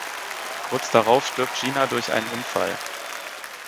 Kurz darauf stirbt Gina durch einen Unfall.